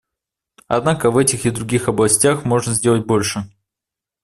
Однако в этих и в других областях можно сделать больше.